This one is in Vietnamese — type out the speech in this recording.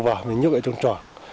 trâu vào mình nhúc ở trong trò